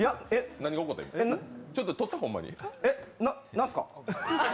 何すか。